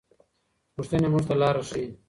پوښتنې موږ ته لاره ښيي.